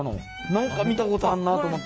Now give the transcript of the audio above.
何か見たことあるなと思った。